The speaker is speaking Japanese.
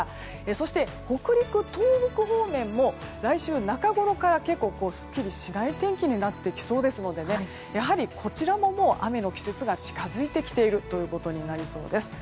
そして北陸、東北方面も来週中ごろからすっきりしない天気になってきそうですのでやはり、こちらももう雨の季節が近づいてきているということになりそうです。